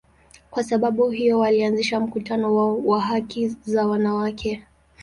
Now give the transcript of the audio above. Kwa sababu hiyo, walianzisha mkutano wao wa haki za wanawake.